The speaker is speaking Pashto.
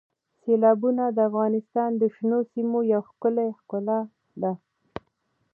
سیلابونه د افغانستان د شنو سیمو یوه ښکلې ښکلا ده.